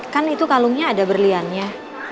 kan itu kalungnya ada berliannya